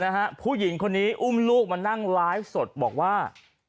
ผู้หญิงคนนี้อุ้มลูกมานั่งไลฟ์สดบอกว่า